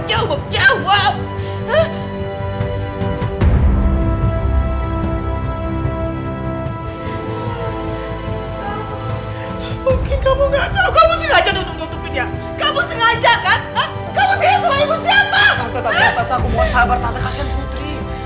tante aku mau sabar tante kasihin putri